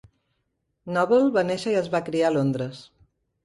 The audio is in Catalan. Noble va néixer i es va criar a Londres.